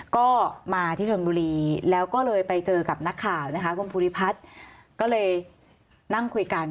ก็มาที่ชนบุรีแล้วก็เลยไปเจอกับนักข่าวนะคะคุณภูริพัฒน์ก็เลยนั่งคุยกัน